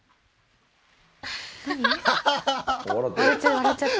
笑っちゃった。